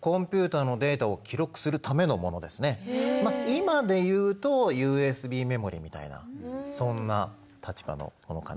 今で言うとＵＳＢメモリみたいなそんな立場のものかな。